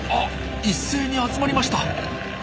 一斉に集まりました。